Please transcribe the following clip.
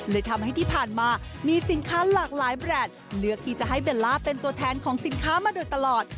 เลยทำให้ที่ผ่านมามีสินค้าหลากหลายแบรนด์เลือกที่จะให้เบลล่าเป็นตัวแทนของสินค้ามาโดยตลอด